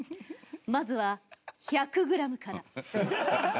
まずは１００グラムから。